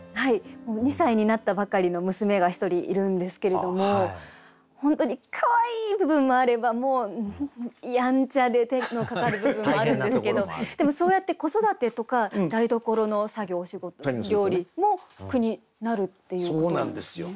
２歳になったばかりの娘が１人いるんですけれども本当にかわいい部分もあればやんちゃで手のかかる部分もあるんですけどでもそうやって子育てとか台所の作業お仕事料理も句になるっていうことなんですね。